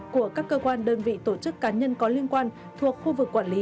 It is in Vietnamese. của các cơ quan đơn vị tổ chức cá nhân có liên quan thuộc khu vực quản lý